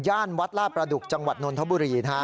ย่านวัดล่าประดุกจังหวัดนนทบุรี